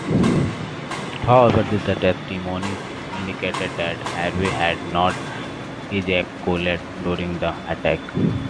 However, this testimony indicated that Harvey had not ejaculated during the attack.